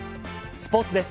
スポーツです。